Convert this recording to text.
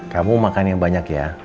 kamu makan yang banyak ya